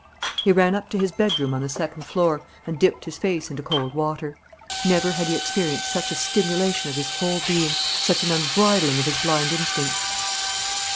He ran up to his bedroom on the second floor and dipped his face into cold water. Never had he experienced such a stimulation of his whole being, such an unbridling of his blind instincts.